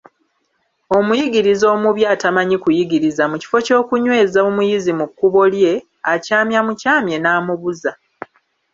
Omuyigiriza omubi atamanyi kuyigiriza, mu kifo ky'okunyweza omuyizi mu kkubo lye, akyamya mukyamye n'amubuza.